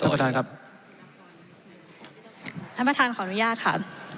ท่านประธานครับท่านประธานขออนุญาตค่ะ